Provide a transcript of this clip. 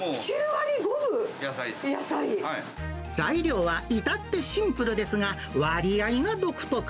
材料は至ってシンプルですが、割合が独特。